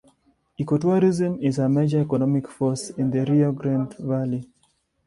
Ecotourism is a major economic force in the Rio Grande Valley.